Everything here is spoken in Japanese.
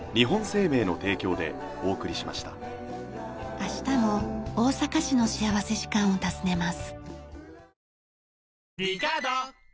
明日も大阪市の幸福時間を訪ねます。